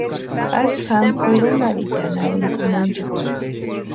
Asï jama kwirunharhitani arini kʼumanchikwani.